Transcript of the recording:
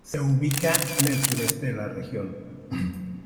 Se ubica en el sureste de la región.